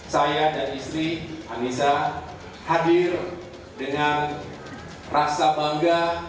saya dan istri anissa hadir dengan rasa bangga